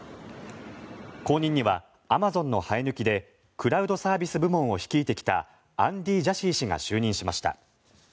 後任にはアマゾンの生え抜きでクラウドサービス部門を率いてきたアンディ・ジャシー氏が就任しました。